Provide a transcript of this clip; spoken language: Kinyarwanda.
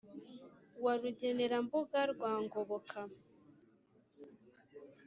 wa rugenerambuga rwa ngoboka